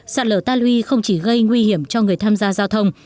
sạt lở ta luy không chỉ gây nguy hiểm cho người tham gia giao thông